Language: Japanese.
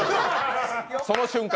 その瞬間